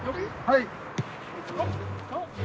はい。